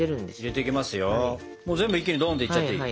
もう全部一気にドンっていっちゃっていい？